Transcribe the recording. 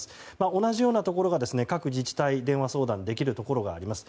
同じようなところが各自治体電話相談できるところがあります。